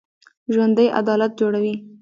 ژوندي عدالت غواړي